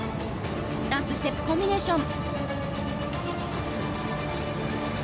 ダンスステップコンビネーション。